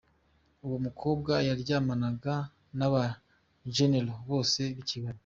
Uwo mukobwa yaryamanaga n’aba généraux bose b’i Kigali.